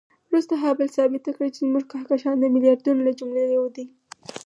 وروسته هابل ثابته کړه چې زموږ کهکشان د میلیاردونو له جملې یو دی.